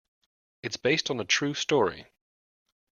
It's based on a true story.